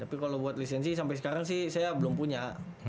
tapi kalau buat lisensi sampai sekarang sih saya belum punya